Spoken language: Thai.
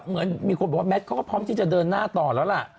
เหมือนมีคนบอกว่าแมทเขาก็พร้อมที่จะเดินหน้าต่อแล้วล่ะ